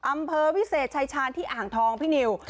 อำเภอวิเศษชายชาญที่อ่างทองพี่นิว